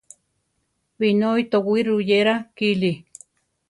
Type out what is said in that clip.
Binói towí ruyéra kili.